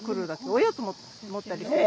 おやつ持ったりして？